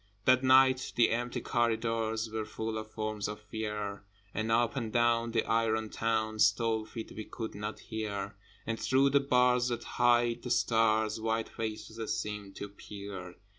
That night the empty corridors Were full of forms of Fear, And up and down the iron town Stole feet we could not hear, And through the bars that hide the stars White faces seemed to peer.